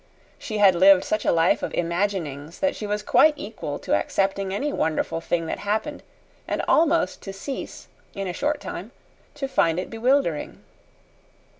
She had lived such a life of imaginings that she was quite equal to accepting any wonderful thing that happened, and almost to cease, in a short time, to find it bewildering.